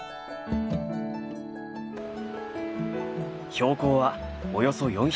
標高はおよそ４００メートル。